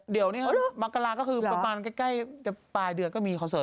เดี๋ยวนี้มกราก็คือประมาณใกล้จะปลายเดือนก็มีคอนเสิร์